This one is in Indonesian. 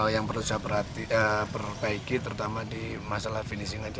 yang perlu saya perbaiki terutama di masalah finishing tadi